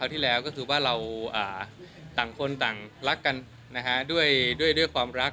ต่างคนต่างรักกันด้วยความรัก